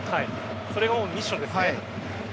それはミッションですね。